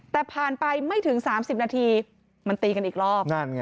แต่ผ่านไปไม่ถึง๓๐นาทีมันตีกันอีกรอบ